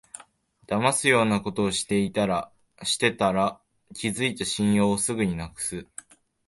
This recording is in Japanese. だますようなことしてたら、築いた信用をすぐになくす